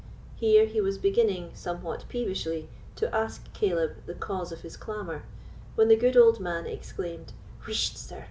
Here he was beginning, somewhat peevishly, to ask Caleb the cause of his clamour, when the good old man exclaimed: "Whisht, sir!